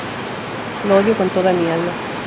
Lo odio con toda mi alma.